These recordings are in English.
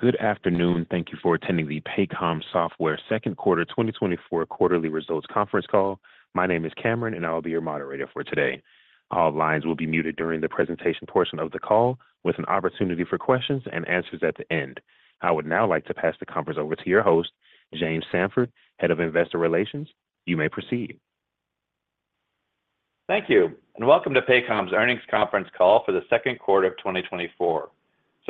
Good afternoon, thank you for attending the Paycom Software Second Quarter 2024 Quarterly Results Conference call. My name is Cameron, and I'll be your moderator for today. All lines will be muted during the presentation portion of the call, with an opportunity for questions and answers at the end. I would now like to pass the conference over to your host, James Samford, Head of Investor Relations. You may proceed. Thank you, and welcome to Paycom's Earnings Conference call for the second quarter of 2024.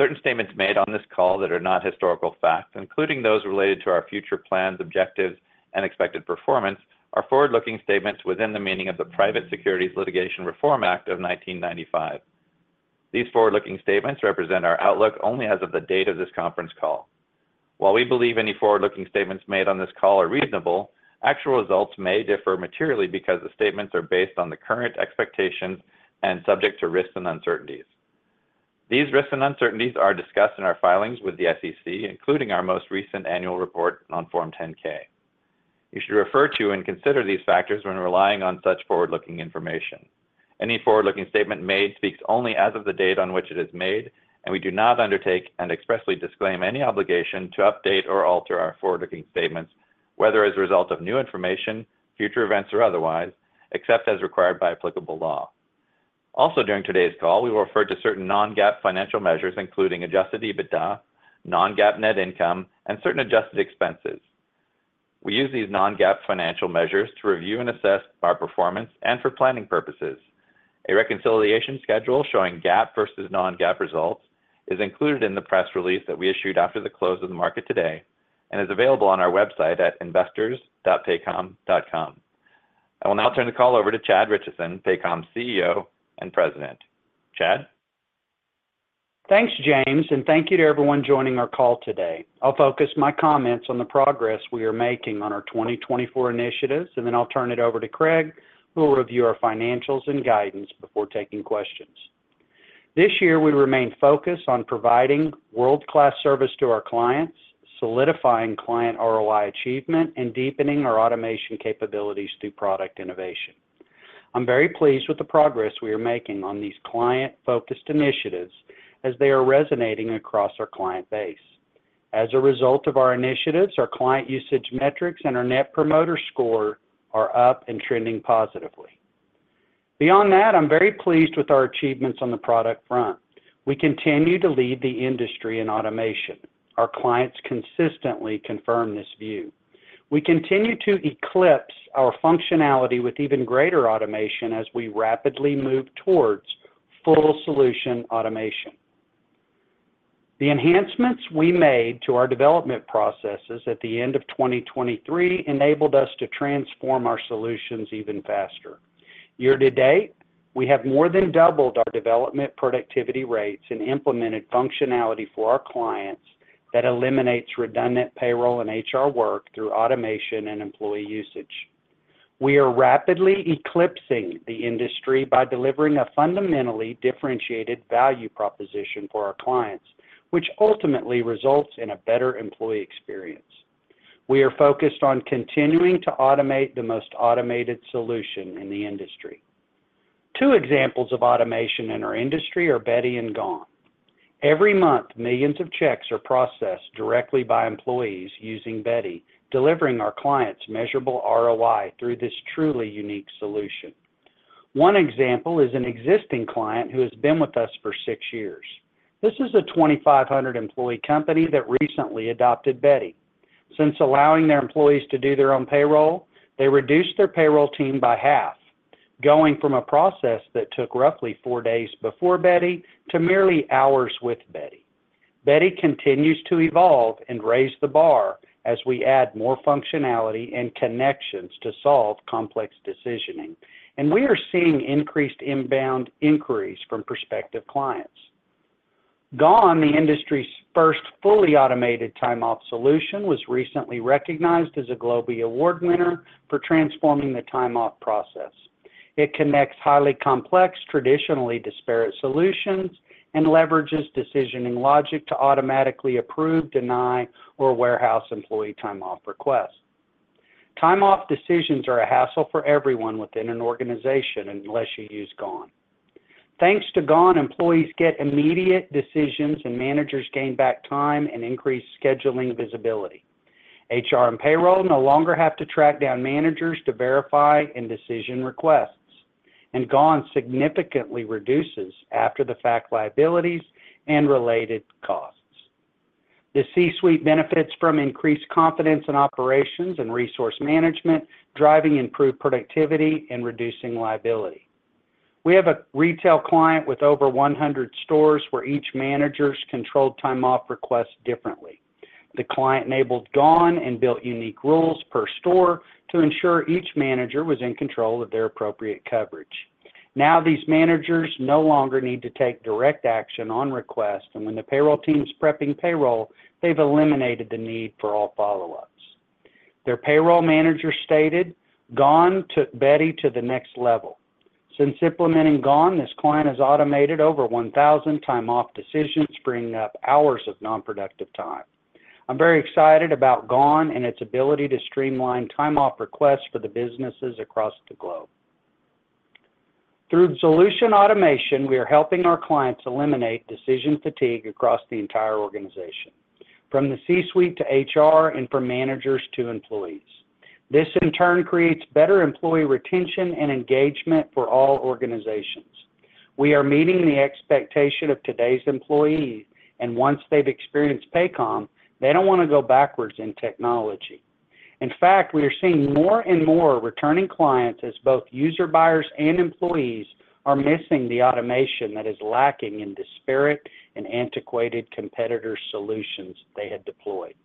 Certain statements made on this call that are not historical facts, including those related to our future plans, objectives, and expected performance, are forward-looking statements within the meaning of the Private Securities Litigation Reform Act of 1995. These forward-looking statements represent our outlook only as of the date of this conference call. While we believe any forward-looking statements made on this call are reasonable, actual results may differ materially because the statements are based on the current expectations and subject to risks and uncertainties. These risks and uncertainties are discussed in our filings with the SEC, including our most recent annual report on Form 10-K. You should refer to and consider these factors when relying on such forward-looking information. Any forward-looking statement made speaks only as of the date on which it is made, and we do not undertake and expressly disclaim any obligation to update or alter our forward-looking statements, whether as a result of new information, future events, or otherwise, except as required by applicable law. Also, during today's call, we will refer to certain non-GAAP financial measures, including adjusted EBITDA, non-GAAP net income, and certain adjusted expenses. We use these non-GAAP financial measures to review and assess our performance and for planning purposes. A reconciliation schedule showing GAAP versus non-GAAP results is included in the press release that we issued after the close of the market today and is available on our website at investors.paycom.com. I will now turn the call over to Chad Richison, Paycom CEO and President. Chad? Thanks, James, and thank you to everyone joining our call today. I'll focus my comments on the progress we are making on our 2024 initiatives, and then I'll turn it over to Craig, who will review our financials and guidance before taking questions. This year, we remain focused on providing world-class service to our clients, solidifying client ROI achievement, and deepening our automation capabilities through product innovation. I'm very pleased with the progress we are making on these client-focused initiatives as they are resonating across our client base. As a result of our initiatives, our client usage metrics and our Net Promoter Score are up and trending positively. Beyond that, I'm very pleased with our achievements on the product front. We continue to lead the industry in automation. Our clients consistently confirm this view. We continue to eclipse our functionality with even greater automation as we rapidly move towards full-solution automation. The enhancements we made to our development processes at the end of 2023 enabled us to transform our solutions even faster. Year to date, we have more than doubled our development productivity rates and implemented functionality for our clients that eliminates redundant payroll and HR work through automation and employee usage. We are rapidly eclipsing the industry by delivering a fundamentally differentiated value proposition for our clients, which ultimately results in a better employee experience. We are focused on continuing to automate the most automated solution in the industry. Two examples of automation in our industry are Beti and GONE. Every month, millions of checks are processed directly by employees using Beti, delivering our clients measurable ROI through this truly unique solution. One example is an existing client who has been with us for 6 years. This is a 2,500-employee company that recently adopted Beti. Since allowing their employees to do their own payroll, they reduced their payroll team by half, going from a process that took roughly 4 days before Beti to merely hours with Beti. Beti continues to evolve and raise the bar as we add more functionality and connections to solve complex decisioning, and we are seeing increased inbound inquiries from prospective clients. GONE, the industry's first fully automated time-off solution, was recently recognized as a Globee Award winner for transforming the time-off process. It connects highly complex, traditionally disparate solutions and leverages decisioning logic to automatically approve, deny, or warehouse employee time-off requests. Time-off decisions are a hassle for everyone within an organization unless you use GONE. Thanks to GONE, employees get immediate decisions, and managers gain back time and increased scheduling visibility. HR and payroll no longer have to track down managers to verify and decision requests, and GONE significantly reduces after-the-fact liabilities and related costs. The C-suite benefits from increased confidence in operations and resource management, driving improved productivity and reducing liability. We have a retail client with over 100 stores where each manager controlled time-off requests differently. The client enabled GONE and built unique rules per store to ensure each manager was in control of their appropriate coverage. Now, these managers no longer need to take direct action on requests, and when the payroll team's prepping payroll, they've eliminated the need for all follow-ups. Their payroll manager stated, "GONE took Beti to the next level." Since implementing GONE, this client has automated over 1,000 time-off decisions, freeing up hours of non-productive time. I'm very excited about GONE and its ability to streamline time-off requests for the businesses across the globe. Through solution automation, we are helping our clients eliminate decision fatigue across the entire organization, from the C-suite to HR and from managers to employees. This, in turn, creates better employee retention and engagement for all organizations. We are meeting the expectation of today's employees, and once they've experienced Paycom, they don't want to go backwards in technology. In fact, we are seeing more and more returning clients as both user-buyers and employees are missing the automation that is lacking in disparate and antiquated competitor solutions they had deployed.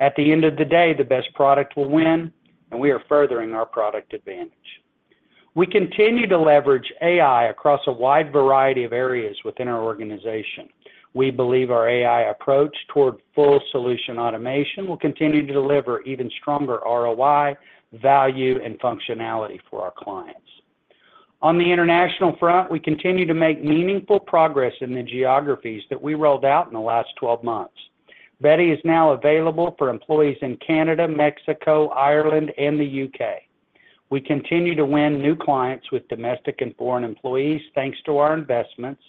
At the end of the day, the best product will win, and we are furthering our product advantage. We continue to leverage AI across a wide variety of areas within our organization. We believe our AI approach toward full-solution automation will continue to deliver even stronger ROI, value, and functionality for our clients. On the international front, we continue to make meaningful progress in the geographies that we rolled out in the last 12 months. Beti is now available for employees in Canada, Mexico, Ireland, and the U.K. We continue to win new clients with domestic and foreign employees thanks to our investments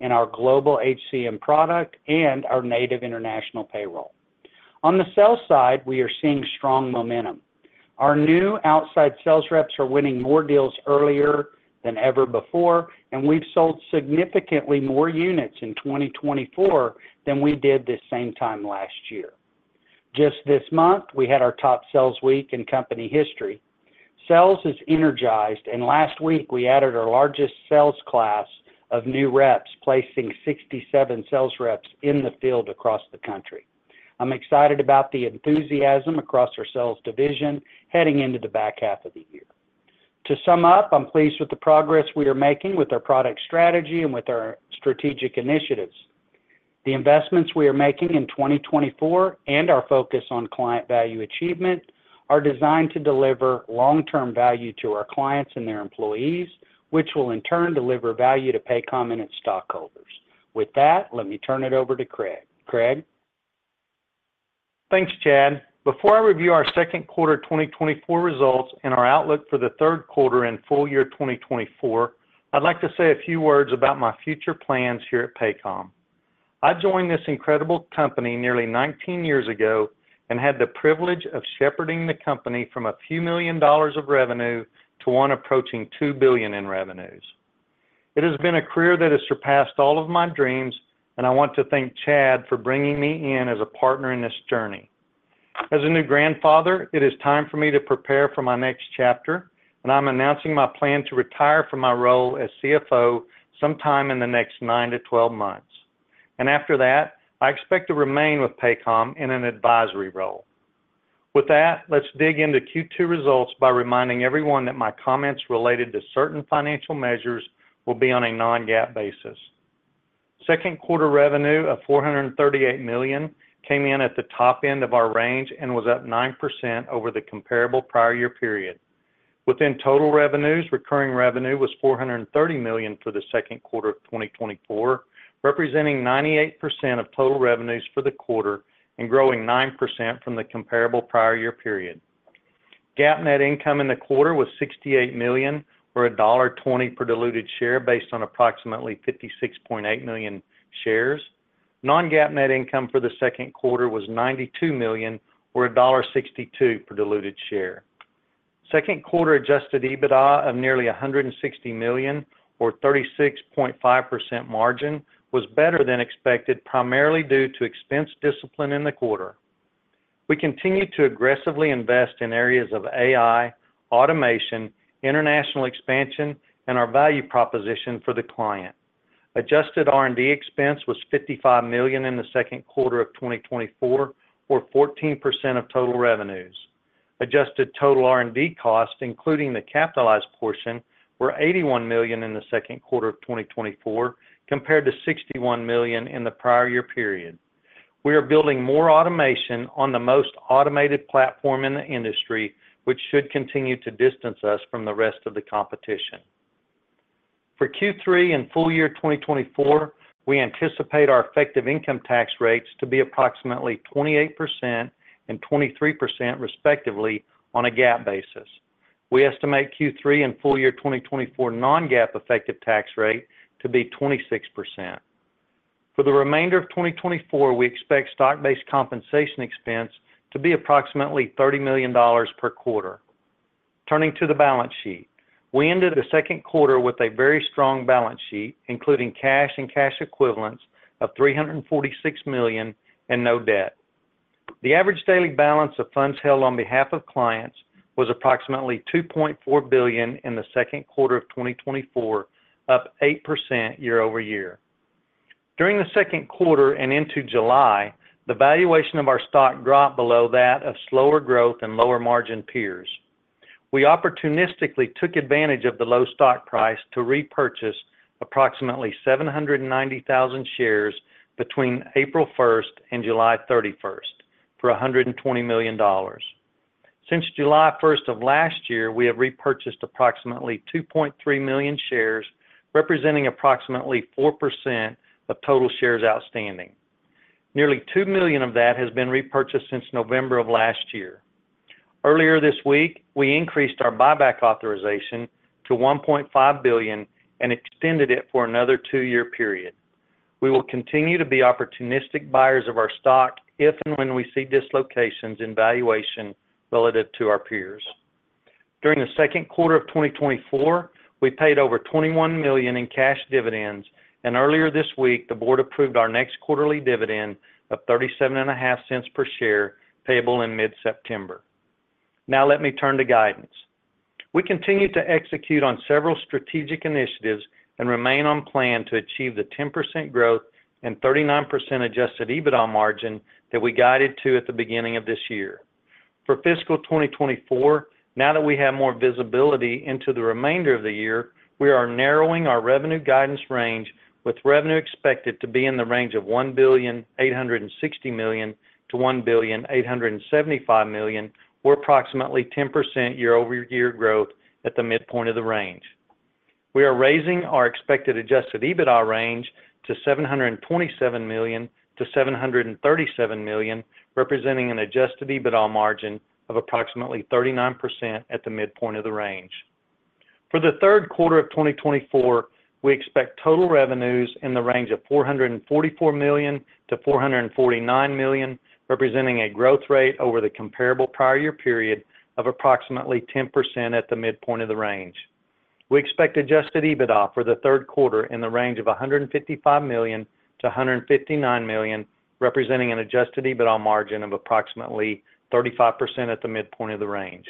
in our Global HCM product and our native international payroll. On the sales side, we are seeing strong momentum. Our new outside sales reps are winning more deals earlier than ever before, and we've sold significantly more units in 2024 than we did this same time last year. Just this month, we had our top sales week in company history. Sales is energized, and last week, we added our largest sales class of new reps, placing 67 sales reps in the field across the country. I'm excited about the enthusiasm across our sales division heading into the back half of the year. To sum up, I'm pleased with the progress we are making with our product strategy and with our strategic initiatives. The investments we are making in 2024 and our focus on client value achievement are designed to deliver long-term value to our clients and their employees, which will, in turn, deliver value to Paycom and its stockholders. With that, let me turn it over to Craig. Craig? Thanks, Chad. Before I review our second quarter 2024 results and our outlook for the third quarter and full year 2024, I'd like to say a few words about my future plans here at Paycom. I joined this incredible company nearly 19 years ago and had the privilege of shepherding the company from a few million dollars of revenue to one approaching $2 billion in revenues. It has been a career that has surpassed all of my dreams, and I want to thank Chad for bringing me in as a partner in this journey. As a new grandfather, it is time for me to prepare for my next chapter, and I'm announcing my plan to retire from my role as CFO sometime in the next 9-12 months. After that, I expect to remain with Paycom in an advisory role. With that, let's dig into Q2 results by reminding everyone that my comments related to certain financial measures will be on a non-GAAP basis. Second quarter revenue of $438 million came in at the top end of our range and was up 9% over the comparable prior year period. Within total revenues, recurring revenue was $430 million for the second quarter of 2024, representing 98% of total revenues for the quarter and growing 9% from the comparable prior year period. GAAP net income in the quarter was $68 million, or $1.20 per diluted share based on approximately 56.8 million shares. Non-GAAP net income for the second quarter was $92 million, or $1.62 per diluted share. Second quarter adjusted EBITDA of nearly $160 million, or 36.5% margin, was better than expected primarily due to expense discipline in the quarter. We continue to aggressively invest in areas of AI, automation, international expansion, and our value proposition for the client. Adjusted R&D expense was $55 million in the second quarter of 2024, or 14% of total revenues. Adjusted total R&D cost, including the capitalized portion, were $81 million in the second quarter of 2024, compared to $61 million in the prior year period. We are building more automation on the most automated platform in the industry, which should continue to distance us from the rest of the competition. For Q3 and full year 2024, we anticipate our effective income tax rates to be approximately 28% and 23%, respectively, on a GAAP basis. We estimate Q3 and full year 2024 non-GAAP effective tax rate to be 26%. For the remainder of 2024, we expect stock-based compensation expense to be approximately $30 million per quarter. Turning to the balance sheet, we ended the second quarter with a very strong balance sheet, including cash and cash equivalents of $346 million and no debt. The average daily balance of funds held on behalf of clients was approximately $2.4 billion in the second quarter of 2024, up 8% year-over-year. During the second quarter and into July, the valuation of our stock dropped below that of slower growth and lower margin peers. We opportunistically took advantage of the low stock price to repurchase approximately 790,000 shares between April 1st and July 31st for $120 million. Since July 1st of last year, we have repurchased approximately 2.3 million shares, representing approximately 4% of total shares outstanding. Nearly 2 million of that has been repurchased since November of last year. Earlier this week, we increased our buyback authorization to $1.5 billion and extended it for another two-year period. We will continue to be opportunistic buyers of our stock if and when we see dislocations in valuation relative to our peers. During the second quarter of 2024, we paid over $21 million in cash dividends, and earlier this week, the board approved our next quarterly dividend of $0.375 per share payable in mid-September. Now, let me turn to guidance. We continue to execute on several strategic initiatives and remain on plan to achieve the 10% growth and 39% Adjusted EBITDA margin that we guided to at the beginning of this year. For fiscal 2024, now that we have more visibility into the remainder of the year, we are narrowing our revenue guidance range with revenue expected to be in the range of $1,860 million-$1,875 million, or approximately 10% year-over-year growth at the midpoint of the range. We are raising our expected adjusted EBITDA range to $727 million-$737 million, representing an adjusted EBITDA margin of approximately 39% at the midpoint of the range. For the third quarter of 2024, we expect total revenues in the range of $444 million-$449 million, representing a growth rate over the comparable prior year period of approximately 10% at the midpoint of the range. We expect adjusted EBITDA for the third quarter in the range of $155 million-$159 million, representing an adjusted EBITDA margin of approximately 35% at the midpoint of the range.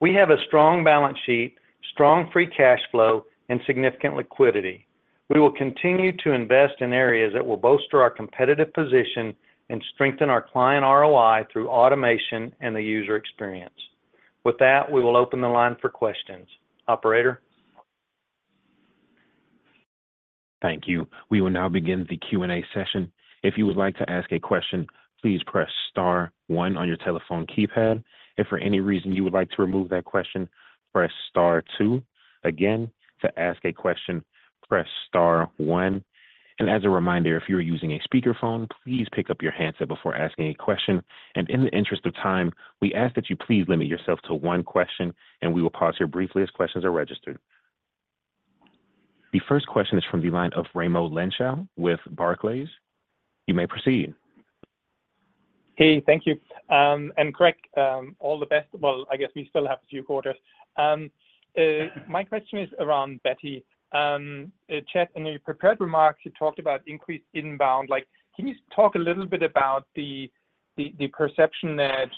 We have a strong balance sheet, strong free cash flow, and significant liquidity. We will continue to invest in areas that will bolster our competitive position and strengthen our client ROI through automation and the user experience. With that, we will open the line for questions. Operator. Thank you. We will now begin the Q&A session. If you would like to ask a question, please press Star 1 on your telephone keypad. If for any reason you would like to remove that question, press Star 2. Again, to ask a question, press Star 1. As a reminder, if you are using a speakerphone, please pick up your handset before asking a question. In the interest of time, we ask that you please limit yourself to one question, and we will pause here briefly as questions are registered. The first question is from the line of Raimo Lenschow with Barclays. You may proceed. Hey, thank you. And Craig, all the best. Well, I guess we still have a few quarters. My question is around Beti. Chad, in your prepared remarks, you talked about increased inbound. Can you talk a little bit about the perception that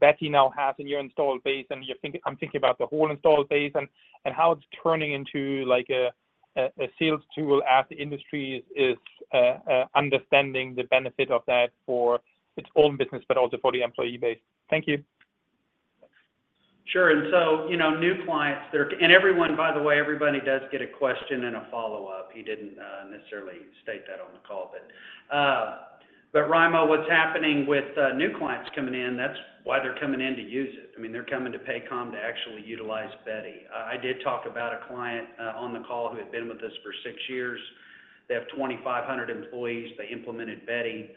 Beti now has in your installed base? And I'm thinking about the whole installed base and how it's turning into a sales tool as the industry is understanding the benefit of that for its own business, but also for the employee base. Thank you. Sure. So new clients, and everyone, by the way, everybody does get a question and a follow-up. He didn't necessarily state that on the call. But Raimo, what's happening with new clients coming in, that's why they're coming in to use it. I mean, they're coming to Paycom to actually utilize Beti. I did talk about a client on the call who had been with us for six years. They have 2,500 employees. They implemented Beti,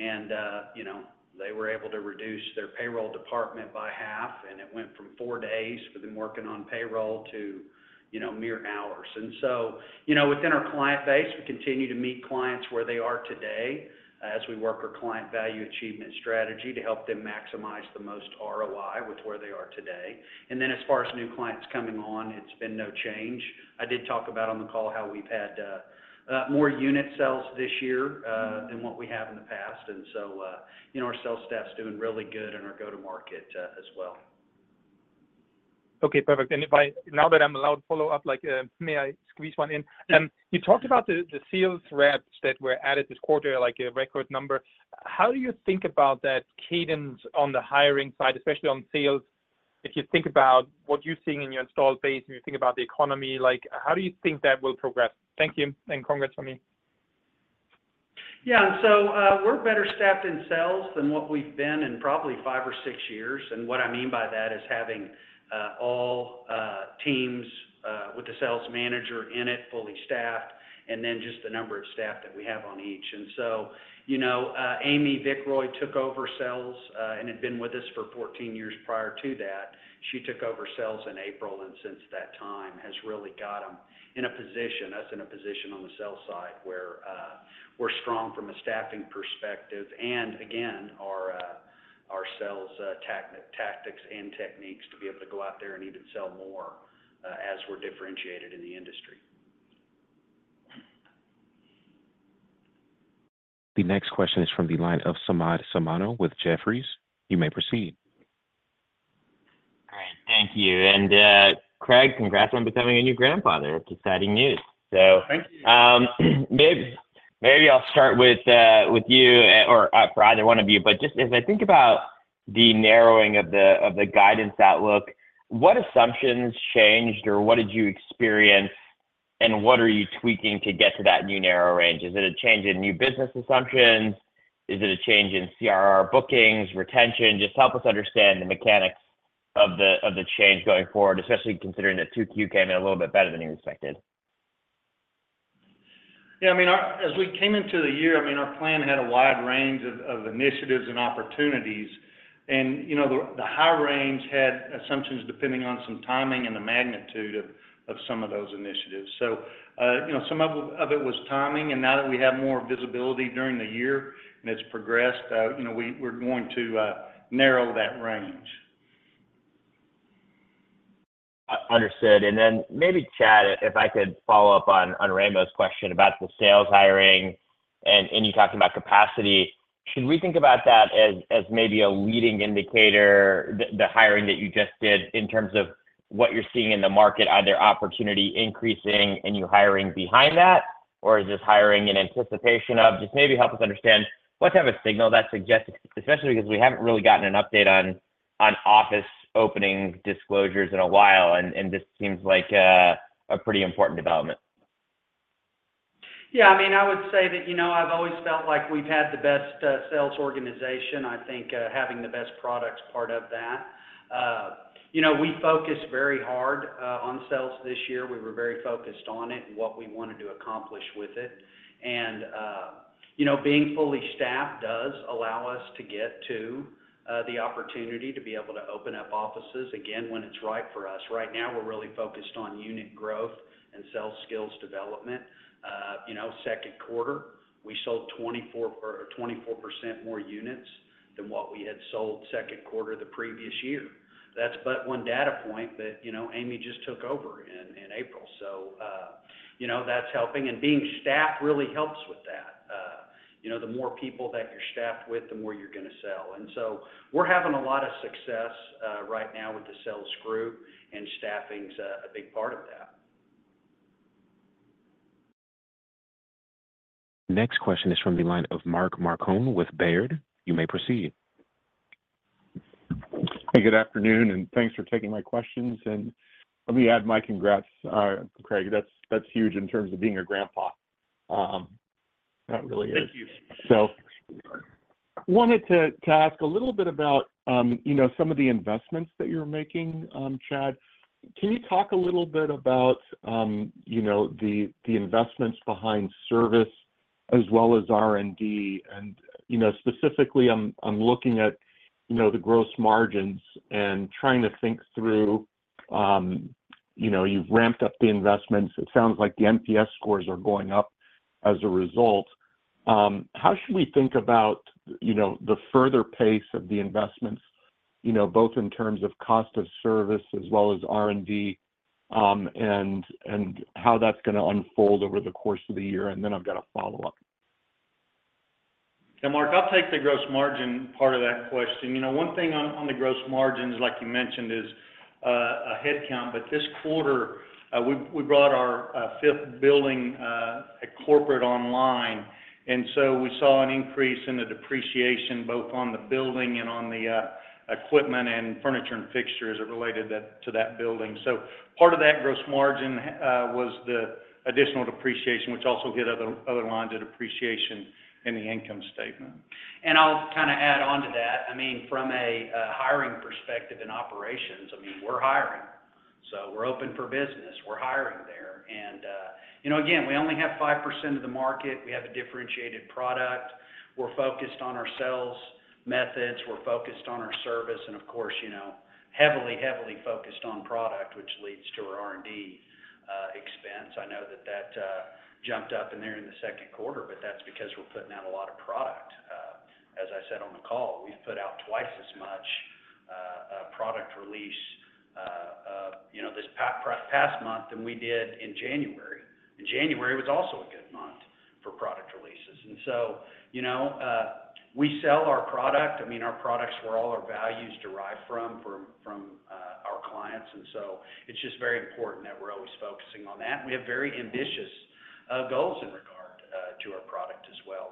and they were able to reduce their payroll department by half, and it went from four days for them working on payroll to mere hours. So within our client base, we continue to meet clients where they are today as we work our client value achievement strategy to help them maximize the most ROI with where they are today. Then as far as new clients coming on, it's been no change. I did talk about on the call how we've had more unit sales this year than what we have in the past. And so our sales staff is doing really good and are go-to-market as well. Okay, perfect. And now that I'm allowed to follow up, may I squeeze one in? You talked about the sales reps that were added this quarter, like a record number. How do you think about that cadence on the hiring side, especially on sales? If you think about what you're seeing in your installed base and you think about the economy, how do you think that will progress? Thank you. And congrats for me. Yeah. So we're better staffed in sales than what we've been in probably five or six years. And what I mean by that is having all teams with the sales manager in it, fully staffed, and then just the number of staff that we have on each. And so Amy Vickroy took over sales and had been with us for 14 years prior to that. She took over sales in April, and since that time has really got us in a position on the sales side where we're strong from a staffing perspective. And again, our sales tactics and techniques to be able to go out there and even sell more as we're differentiated in the industry. The next question is from the line of Samad Samana with Jefferies. You may proceed. Great. Thank you. And Craig, congrats on becoming a new grandfather. It's exciting news. Thank you. Maybe I'll start with you or for either one of you. But just as I think about the narrowing of the guidance outlook, what assumptions changed or what did you experience, and what are you tweaking to get to that new narrow range? Is it a change in new business assumptions? Is it a change in CRR bookings, retention? Just help us understand the mechanics of the change going forward, especially considering that 2Q came in a little bit better than you expected. Yeah. I mean, as we came into the year, I mean, our plan had a wide range of initiatives and opportunities. The high range had assumptions depending on some timing and the magnitude of some of those initiatives. Some of it was timing. Now that we have more visibility during the year and it's progressed, we're going to narrow that range. Understood. Then maybe Chad, if I could follow up on Raimo's question about the sales hiring and you talking about capacity, should we think about that as maybe a leading indicator, the hiring that you just did in terms of what you're seeing in the market, either opportunity increasing and you hiring behind that, or is this hiring in anticipation of? Just maybe help us understand what type of signal that suggests, especially because we haven't really gotten an update on office opening disclosures in a while, and this seems like a pretty important development. Yeah. I mean, I would say that I've always felt like we've had the best sales organization. I think having the best product is part of that. We focused very hard on sales this year. We were very focused on it and what we wanted to accomplish with it. And being fully staffed does allow us to get to the opportunity to be able to open up offices again when it's right for us. Right now, we're really focused on unit growth and sales skills development. Second quarter, we sold 24% more units than what we had sold second quarter the previous year. That's but one data point that Amy just took over in April. So that's helping. And being staffed really helps with that. The more people that you're staffed with, the more you're going to sell. We're having a lot of success right now with the sales group, and staffing is a big part of that. The next question is from the line of Mark Marcon with Baird. You may proceed. Hey, good afternoon, and thanks for taking my questions. Let me add my congrats, Craig. That's huge in terms of being a grandpa. That really is. Thank you. So I wanted to ask a little bit about some of the investments that you're making, Chad. Can you talk a little bit about the investments behind service as well as R&D? And specifically, I'm looking at the gross margins and trying to think through. You've ramped up the investments. It sounds like the NPS scores are going up as a result. How should we think about the further pace of the investments, both in terms of cost of service as well as R&D, and how that's going to unfold over the course of the year? And then I've got a follow-up. Yeah, Mark, I'll take the gross margin part of that question. One thing on the gross margins, like you mentioned, is a headcount. But this quarter, we brought our fifth building at corporate online. And so we saw an increase in the depreciation both on the building and on the equipment and furniture and fixtures related to that building. So part of that gross margin was the additional depreciation, which also hit other lines of depreciation in the income statement. And I'll kind of add on to that. I mean, from a hiring perspective in operations, I mean, we're hiring. So we're open for business. We're hiring there. And again, we only have 5% of the market. We have a differentiated product. We're focused on our sales methods. We're focused on our service. And of course, heavily, heavily focused on product, which leads to our R&D expense. I know that that jumped up in there in the second quarter, but that's because we're putting out a lot of product. As I said on the call, we've put out twice as much product release this past month than we did in January. January was also a good month for product releases. We sell our product. I mean, our products were all our values derived from our clients. It's just very important that we're always focusing on that. We have very ambitious goals in regard to our product as well.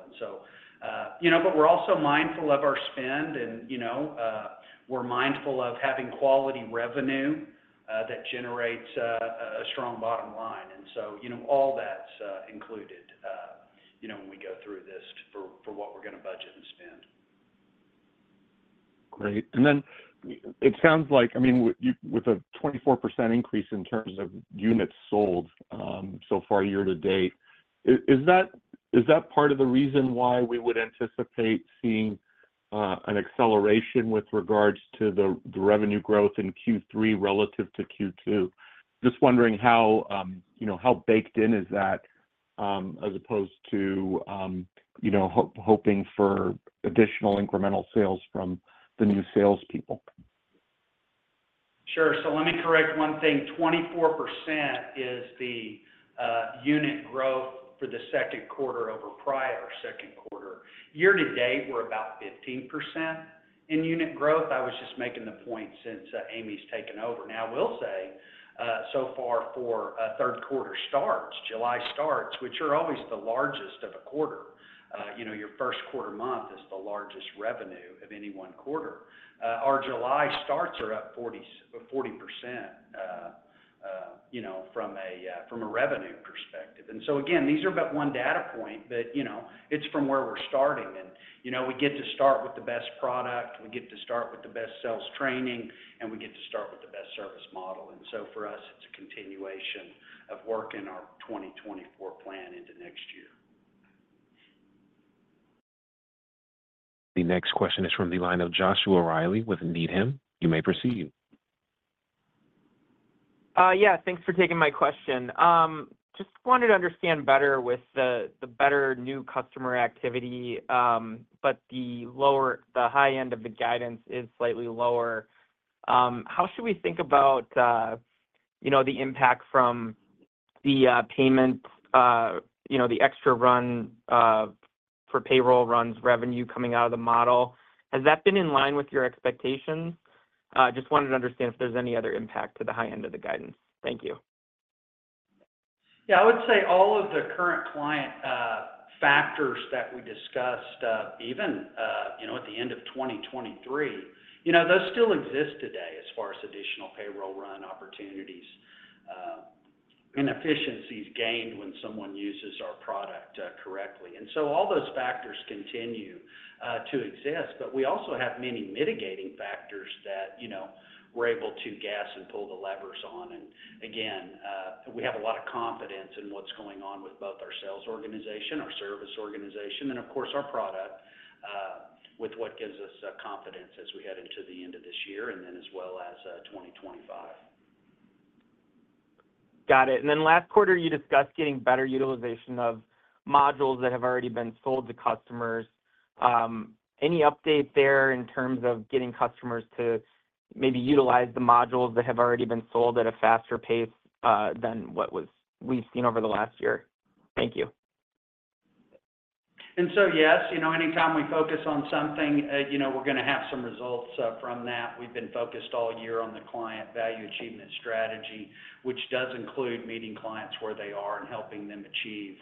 But we're also mindful of our spend, and we're mindful of having quality revenue that generates a strong bottom line. All that's included when we go through this for what we're going to budget and spend. Great. And then it sounds like, I mean, with a 24% increase in terms of units sold so far year to date, is that part of the reason why we would anticipate seeing an acceleration with regards to the revenue growth in Q3 relative to Q2? Just wondering how baked in is that as opposed to hoping for additional incremental sales from the new salespeople? Sure. So let me correct one thing. 24% is the unit growth for the second quarter over prior second quarter. Year to date, we're about 15% in unit growth. I was just making the point since Amy's taken over. Now, I will say so far for third quarter starts, July starts, which are always the largest of a quarter. Your first quarter month is the largest revenue of any one quarter. Our July starts are up 40% from a revenue perspective. And so again, these are but one data point, but it's from where we're starting. And we get to start with the best product. We get to start with the best sales training, and we get to start with the best service model. And so for us, it's a continuation of working our 2024 plan into next year. The next question is from the line of Joshua Reilly with Needham. You may proceed. Yeah. Thanks for taking my question. Just wanted to understand better with the Beti new customer activity, but the high end of the guidance is slightly lower. How should we think about the impact from the Paycom, the extra run-rate for payroll runs revenue coming out of the model? Has that been in line with your expectations? Just wanted to understand if there's any other impact to the high end of the guidance. Thank you. Yeah. I would say all of the current client factors that we discussed, even at the end of 2023, those still exist today as far as additional payroll run opportunities and efficiencies gained when someone uses our product correctly. And so all those factors continue to exist. But we also have many mitigating factors that we're able to gas and pull the levers on. And again, we have a lot of confidence in what's going on with both our sales organization, our service organization, and of course, our product, with what gives us confidence as we head into the end of this year and then as well as 2025. Got it. And then last quarter, you discussed getting better utilization of modules that have already been sold to customers. Any update there in terms of getting customers to maybe utilize the modules that have already been sold at a faster pace than what we've seen over the last year? Thank you. And so yes, anytime we focus on something, we're going to have some results from that. We've been focused all year on the client value achievement strategy, which does include meeting clients where they are and helping them achieve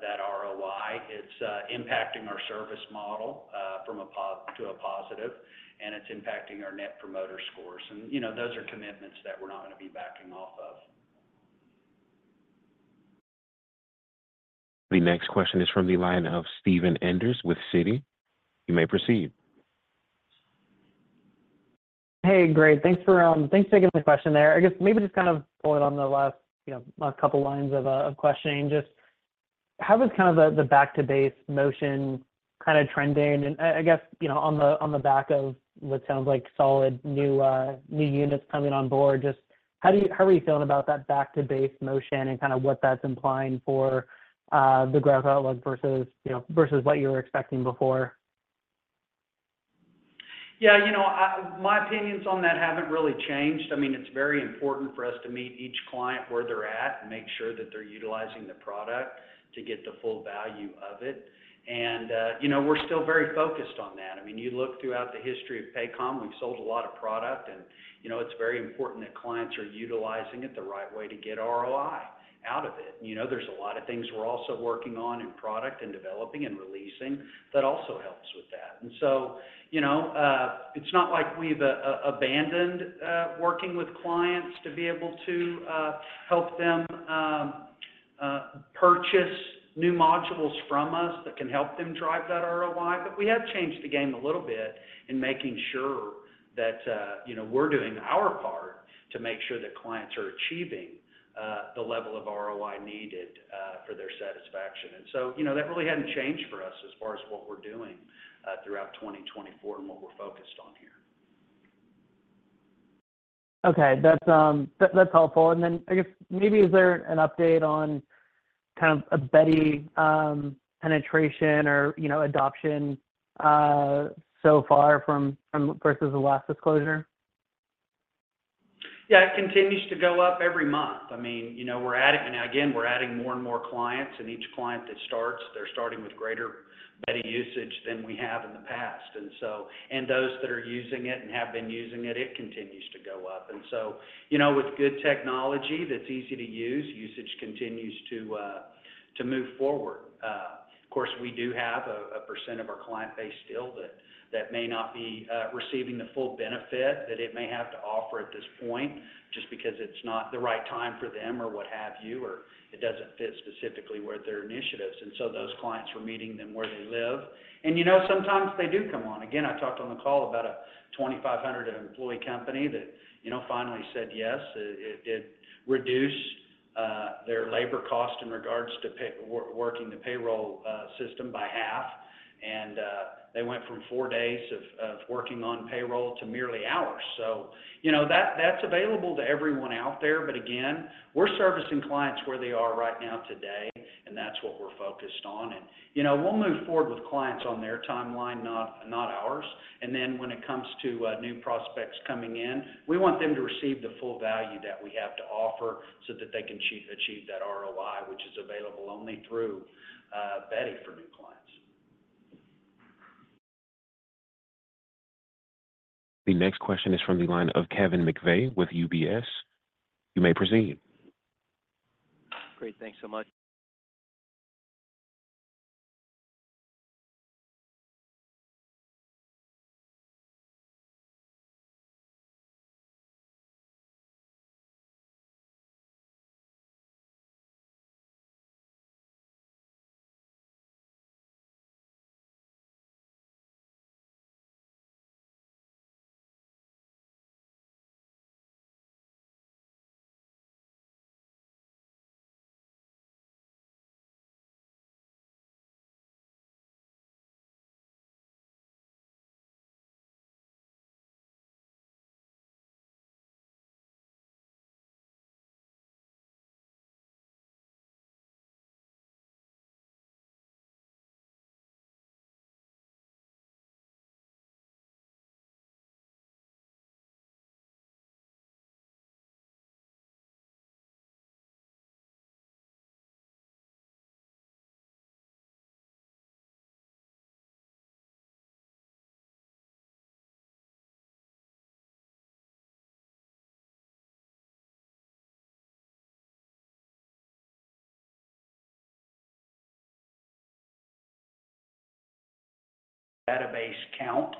that ROI. It's impacting our service model from a positive, and it's impacting our net promoter scores. And those are commitments that we're not going to be backing off of. The next question is from the line of Steven Enders with Citi. You may proceed. Hey, great. Thanks for taking the question there. I guess maybe just kind of pulling on the last couple of lines of questioning. Just how is kind of the back-to-base motion kind of trending? And I guess on the back of what sounds like solid new units coming on board, just how are you feeling about that back-to-base motion and kind of what that's implying for the growth outlook versus what you were expecting before? Yeah. My opinions on that haven't really changed. I mean, it's very important for us to meet each client where they're at and make sure that they're utilizing the product to get the full value of it. And we're still very focused on that. I mean, you look throughout the history of Paycom, we've sold a lot of product, and it's very important that clients are utilizing it the right way to get ROI out of it. There's a lot of things we're also working on in product and developing and releasing that also helps with that. And so it's not like we've abandoned working with clients to be able to help them purchase new modules from us that can help them drive that ROI. We have changed the game a little bit in making sure that we're doing our part to make sure that clients are achieving the level of ROI needed for their satisfaction. So that really hadn't changed for us as far as what we're doing throughout 2024 and what we're focused on here. Okay. That's helpful. And then I guess maybe is there an update on kind of a Beti penetration or adoption so far versus the last disclosure? Yeah. It continues to go up every month. I mean, we're adding again, we're adding more and more clients. And each client that starts, they're starting with greater Beti usage than we have in the past. And those that are using it and have been using it, it continues to go up. And so with good technology that's easy to use, usage continues to move forward. Of course, we do have a percent of our client base still that may not be receiving the full benefit that it may have to offer at this point just because it's not the right time for them or what have you, or it doesn't fit specifically with their initiatives. And so those clients are meeting them where they live. And sometimes they do come on. Again, I talked on the call about a 2,500-employee company that finally said yes. It did reduce their labor cost in regards to working the payroll system by half. They went from four days of working on payroll to merely hours. That's available to everyone out there. But again, we're servicing clients where they are right now today, and that's what we're focused on. We'll move forward with clients on their timeline, not ours. Then when it comes to new prospects coming in, we want them to receive the full value that we have to offer so that they can achieve that ROI, which is available only through Beti for new clients. The next question is from the line of Kevin McVeigh with UBS. You may proceed. Great. Thanks so much. Database count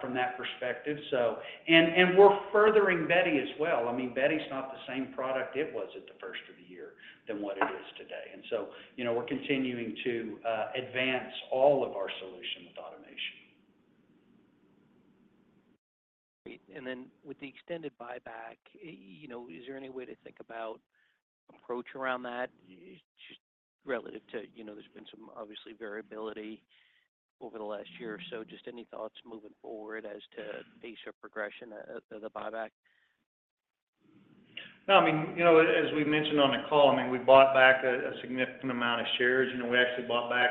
from that perspective. We're furthering Beti as well. I mean, Beti's not the same product it was at the first of the year than what it is today. And so we're continuing to advance all of our solution with automation. Great. And then with the extended buyback, is there any way to think about approach around that relative to there's been some obviously variability over the last year or so? Just any thoughts moving forward as to pace or progression of the buyback? No. I mean, as we mentioned on the call, I mean, we bought back a significant amount of shares. We actually bought back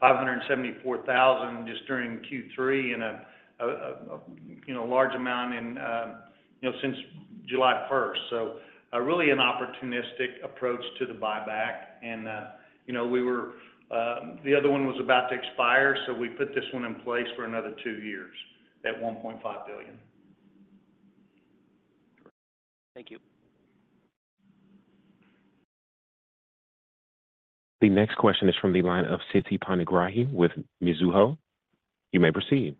574,000 just during Q3 and a large amount since July 1st. So really an opportunistic approach to the buyback. And we were the other one was about to expire, so we put this one in place for another two years at $1.5 billion. Thank you. The next question is from the line of Siti Panigrahi with Mizuho. You may proceed.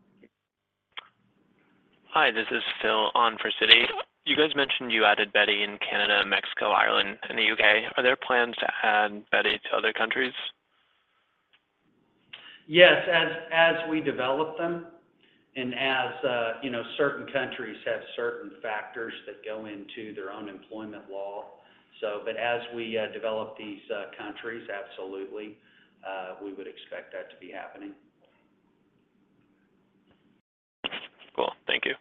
Hi. This is Phil on for Siti. You guys mentioned you added Beti in Canada, Mexico, Ireland, and the UK. Are there plans to add Beti to other countries? Yes. As we develop them and as certain countries have certain factors that go into their own employment law. But as we develop these countries, absolutely, we would expect that to be happening. Cool. Thank you.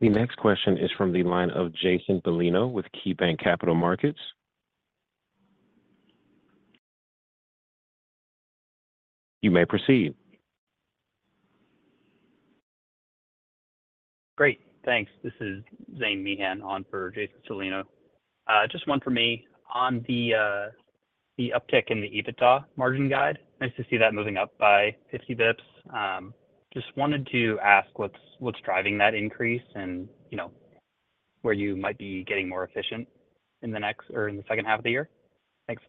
The next question is from the line of Jason Celino with KeyBanc Capital Markets. You may proceed. Great. Thanks. This is Zane Meehan on for Jason Celino. Just one for me. On the uptick in the EBITDA margin guide, nice to see that moving up by 50 basis points. Just wanted to ask what's driving that increase and where you might be getting more efficient in the second half of the year. Thanks.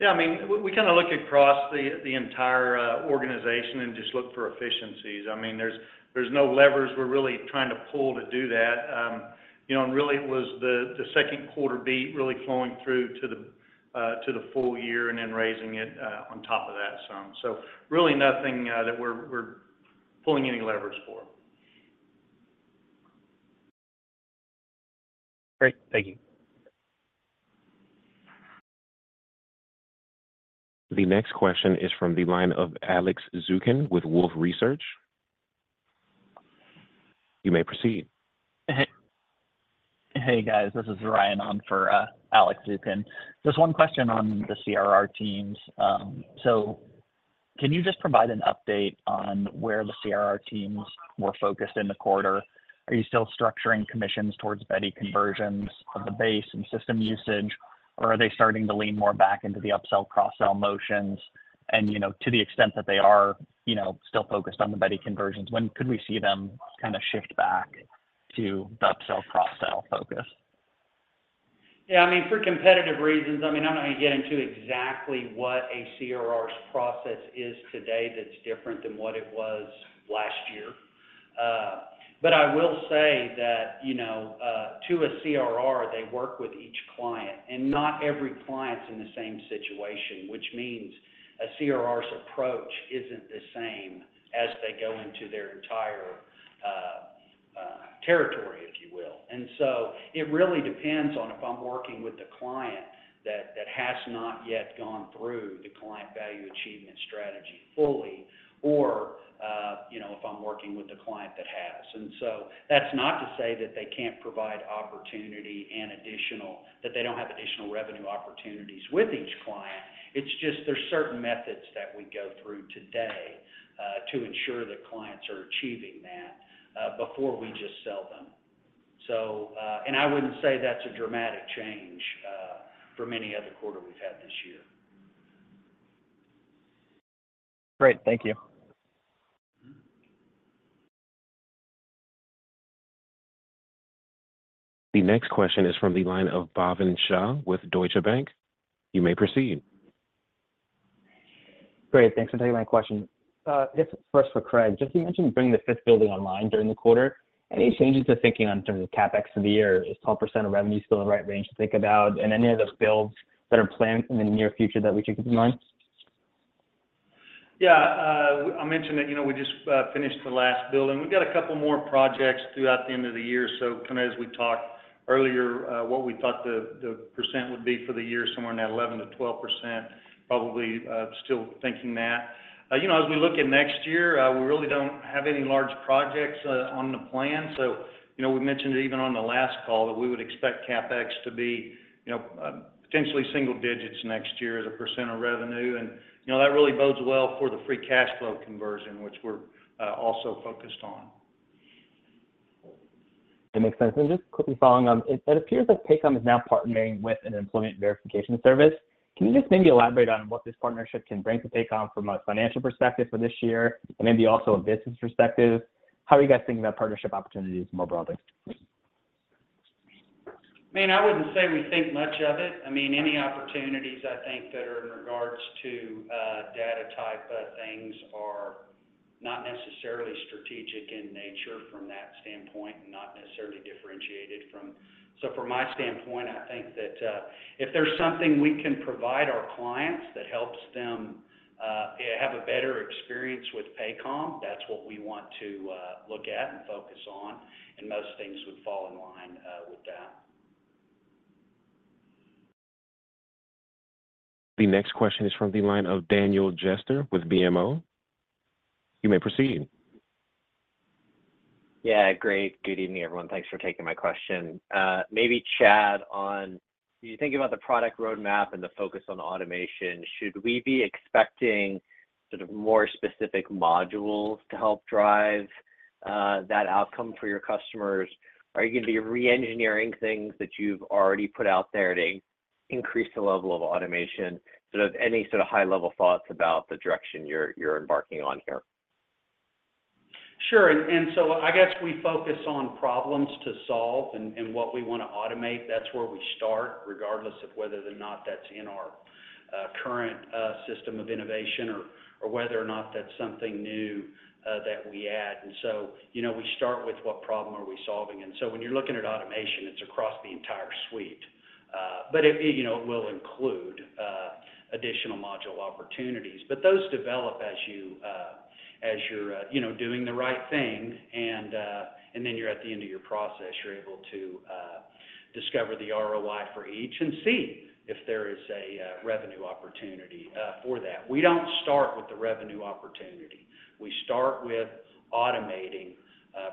Yeah. I mean, we kind of look across the entire organization and just look for efficiencies. I mean, there's no levers we're really trying to pull to do that. Really, it was the second quarter beat really flowing through to the full year and then raising it on top of that. Really nothing that we're pulling any levers for. Great. Thank you. The next question is from the line of Alex Zukin with Wolfe Research. You may proceed. Hey, guys. This is Ryan on for Alex Zukin. Just one question on the CRR teams. So can you just provide an update on where the CRR teams were focused in the quarter? Are you still structuring commissions towards Beti conversions of the base and system usage, or are they starting to lean more back into the upsell, cross-sell motions? And to the extent that they are still focused on the Beti conversions, when could we see them kind of shift back to the upsell, cross-sell focus? Yeah. I mean, for competitive reasons, I mean, I'm not going to get into exactly what a CRR's process is today that's different than what it was last year. But I will say that to a CRR, they work with each client, and not every client's in the same situation, which means a CRR's approach isn't the same as they go into their entire territory, if you will. And so it really depends on if I'm working with the client that has not yet gone through the client value achievement strategy fully or if I'm working with the client that has. And so that's not to say that they can't provide opportunity and additional that they don't have additional revenue opportunities with each client. It's just there's certain methods that we go through today to ensure that clients are achieving that before we just sell them. I wouldn't say that's a dramatic change from any other quarter we've had this year. Great. Thank you. The next question is from the line of Bhavin Shah with Deutsche Bank. You may proceed. Great. Thanks for taking my question. I guess first for Craig, just you mentioned bringing the fifth building online during the quarter. Any changes to thinking on terms of CapEx of the year? Is 12% of revenue still the right range to think about? And any of the builds that are planned in the near future that we should keep in mind? Yeah. I mentioned that we just finished the last building. We've got a couple more projects throughout the end of the year. So kind of as we talked earlier, what we thought the percent would be for the year, somewhere in that 11%-12%, probably still thinking that. As we look at next year, we really don't have any large projects on the plan. So we mentioned even on the last call that we would expect CapEx to be potentially single digits next year as a percent of revenue. And that really bodes well for the free cash flow conversion, which we're also focused on. That makes sense. Just quickly following on, it appears that Paycom is now partnering with an employment verification service. Can you just maybe elaborate on what this partnership can bring to Paycom from a financial perspective for this year and maybe also a business perspective? How are you guys thinking about partnership opportunities more broadly? I mean, I wouldn't say we think much of it. I mean, any opportunities I think that are in regards to data type things are not necessarily strategic in nature from that standpoint and not necessarily differentiated from. So from my standpoint, I think that if there's something we can provide our clients that helps them have a better experience with Paycom, that's what we want to look at and focus on. Most things would fall in line with that. The next question is from the line of Daniel Jester with BMO. You may proceed. Yeah. Great. Good evening, everyone. Thanks for taking my question. Maybe Chad, on you thinking about the product roadmap and the focus on automation, should we be expecting sort of more specific modules to help drive that outcome for your customers? Are you going to be re-engineering things that you've already put out there to increase the level of automation? Any sort of high-level thoughts about the direction you're embarking on here? Sure. I guess we focus on problems to solve and what we want to automate. That's where we start, regardless of whether or not that's in our current system of innovation or whether or not that's something new that we add. We start with what problem are we solving? When you're looking at automation, it's across the entire suite. But it will include additional module opportunities. Those develop as you're doing the right thing. Then you're at the end of your process, you're able to discover the ROI for each and see if there is a revenue opportunity for that. We don't start with the revenue opportunity. We start with automating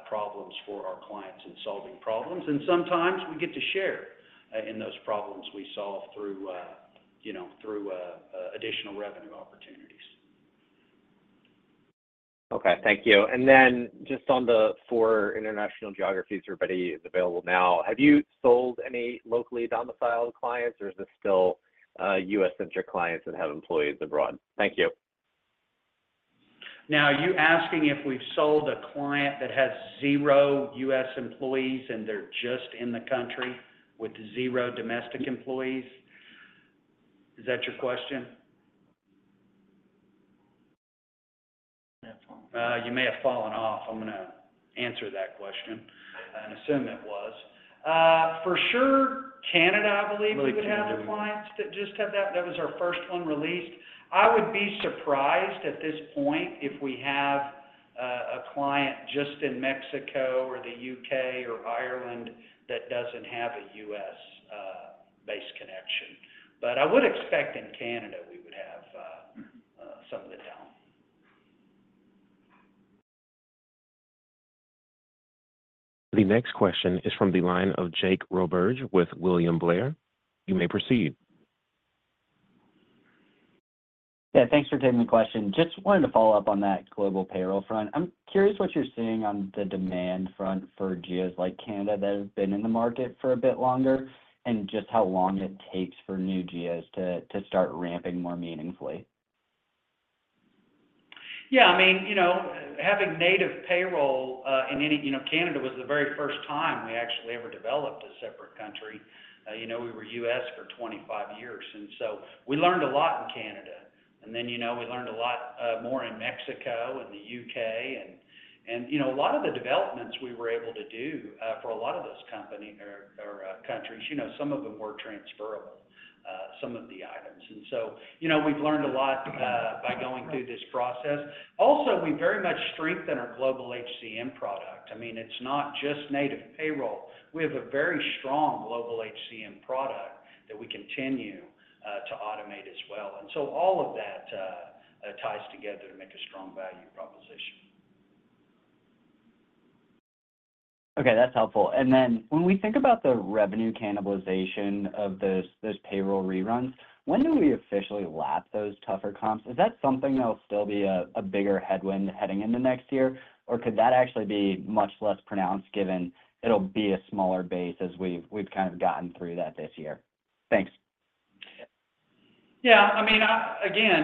problems for our clients and solving problems. Sometimes we get to share in those problems we solve through additional revenue opportunities. Okay. Thank you. And then just on the four international geographies everybody is available now, have you sold any locally domiciled clients, or is this still U.S.-centric clients that have employees abroad? Thank you. Now, are you asking if we've sold a client that has zero U.S. employees and they're just in the country with zero domestic employees? Is that your question? You may have fallen off. I'm going to answer that question. I assume it was. For sure, Canada, I believe, would have the clients that just have that. That was our first one released. I would be surprised at this point if we have a client just in Mexico or the U.K. or Ireland that doesn't have a U.S.-based connection. But I would expect in Canada we would have some of it now. The next question is from the line of Jake Roberge with William Blair. You may proceed. Yeah. Thanks for taking the question. Just wanted to follow up on that global payroll front. I'm curious what you're seeing on the demand front for geos like Canada that have been in the market for a bit longer and just how long it takes for new geos to start ramping more meaningfully. Yeah. I mean, having native payroll in Canada was the very first time we actually ever developed a separate country. We were U.S. for 25 years. And so we learned a lot in Canada. And then we learned a lot more in Mexico and the U.K. And a lot of the developments we were able to do for a lot of those companies or countries, some of them were transferable, some of the items. And so we've learned a lot by going through this process. Also, we very much strengthen our Global HCM product. I mean, it's not just native payroll. We have a very strong Global HCM product that we continue to automate as well. And so all of that ties together to make a strong value proposition. Okay. That's helpful. And then when we think about the revenue cannibalization of those payroll reruns, when do we officially lap those tougher comps? Is that something that'll still be a bigger headwind heading into next year, or could that actually be much less pronounced given it'll be a smaller base as we've kind of gotten through that this year? Thanks. Yeah. I mean, again,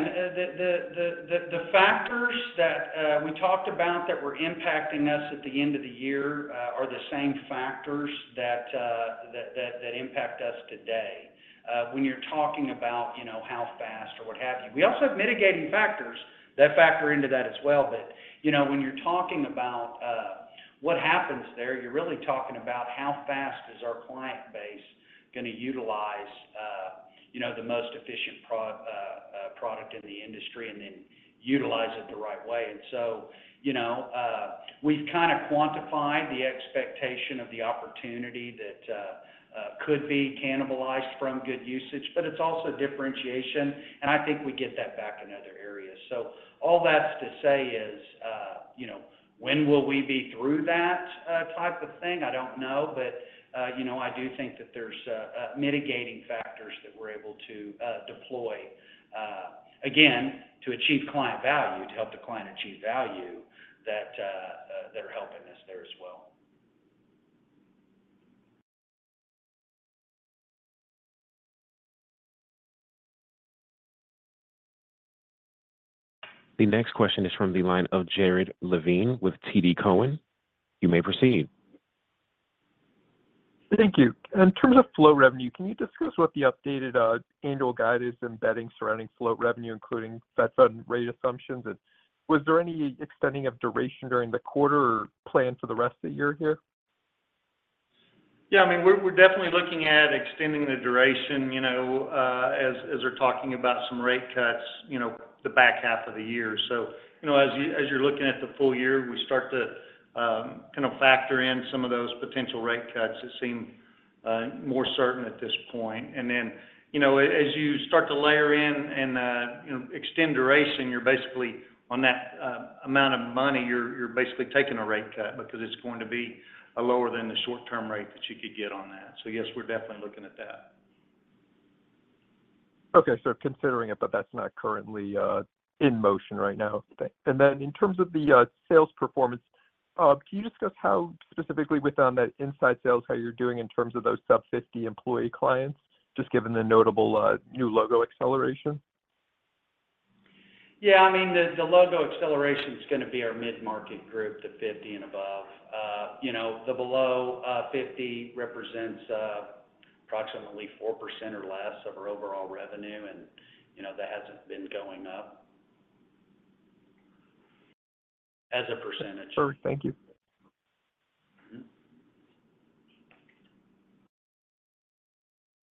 the factors that we talked about that were impacting us at the end of the year are the same factors that impact us today. When you're talking about how fast or what have you, we also have mitigating factors that factor into that as well. But when you're talking about what happens there, you're really talking about how fast is our client base going to utilize the most efficient product in the industry and then utilize it the right way. And so we've kind of quantified the expectation of the opportunity that could be cannibalized from good usage, but it's also differentiation. And I think we get that back in other areas. So all that's to say is, when will we be through that type of thing? I don't know. But I do think that there's mitigating factors that we're able to deploy, again, to achieve client value, to help the client achieve value that are helping us there as well. The next question is from the line of Jared Levine with TD Cowen. You may proceed. Thank you. In terms of float revenue, can you discuss what the updated annual guide is embedding surrounding float revenue, including Fed Funds rate assumptions? Was there any extending of duration during the quarter or plan for the rest of the year here? Yeah. I mean, we're definitely looking at extending the duration as we're talking about some rate cuts the back half of the year. So as you're looking at the full year, we start to kind of factor in some of those potential rate cuts that seem more certain at this point. And then as you start to layer in and extend duration, you're basically on that amount of money, you're basically taking a rate cut because it's going to be lower than the short-term rate that you could get on that. So yes, we're definitely looking at that. Okay. Considering it, but that's not currently in motion right now. Then in terms of the sales performance, can you discuss how specifically within that inside sales, how you're doing in terms of those sub-50 employee clients, just given the notable new logo acceleration? Yeah. I mean, the logo acceleration is going to be our mid-market group, the 50 and above. The below 50 represents approximately 4% or less of our overall revenue, and that hasn't been going up as a percentage. Sure. Thank you.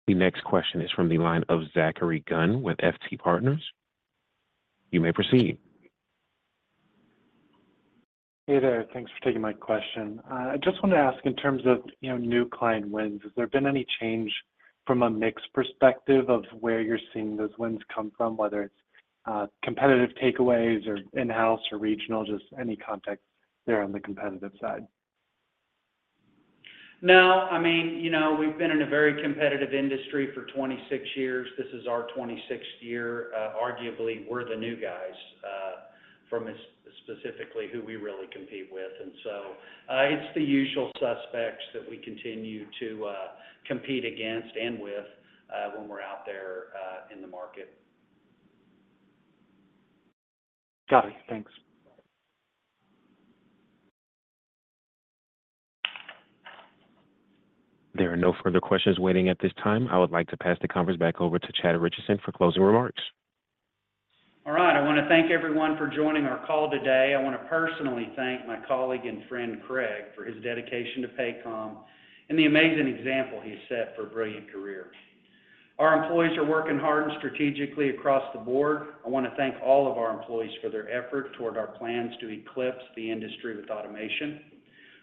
The next question is from the line of Zachary Gunn with FT Partners. You may proceed. Hey there. Thanks for taking my question. I just wanted to ask in terms of new client wins, has there been any change from a mix perspective of where you're seeing those wins come from, whether it's competitive takeaways or in-house or regional, just any context there on the competitive side? No. I mean, we've been in a very competitive industry for 26 years. This is our 26th year. Arguably, we're the new guys from specifically who we really compete with. And so it's the usual suspects that we continue to compete against and with when we're out there in the market. Got it. Thanks. There are no further questions waiting at this time. I would like to pass the conference back over to Chad Richison for closing remarks. All right. I want to thank everyone for joining our call today. I want to personally thank my colleague and friend Craig for his dedication to Paycom and the amazing example he set for a brilliant career. Our employees are working hard and strategically across the board. I want to thank all of our employees for their effort toward our plans to eclipse the industry with automation.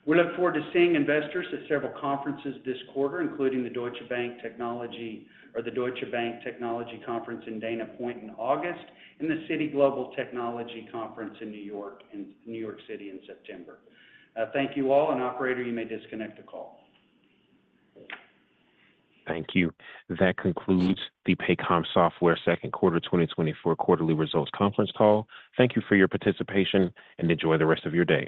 We look forward to seeing investors at several conferences this quarter, including the Deutsche Bank Technology or the Deutsche Bank Technology Conference in Dana Point in August and the Citi Global Technology Conference in New York City in September. Thank you all. Operator, you may disconnect the call. Thank you. That concludes the Paycom Software Second Quarter 2024 Quarterly Results Conference call. Thank you for your participation and enjoy the rest of your day.